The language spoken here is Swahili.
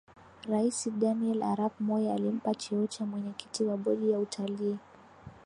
Raisi Daniel Arap Moi alimpa cheocha mwenyekiti wa bodi ya utalii